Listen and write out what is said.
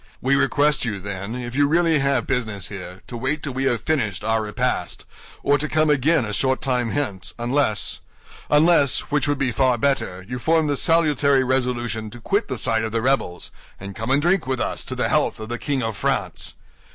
We request you, then, if you really have business here, to wait till we have finished our repast, or to come again a short time hence; unless, which would be far better, you form the salutary resolution to quit the side of the rebels, and come and drink with us to the health of the King of France."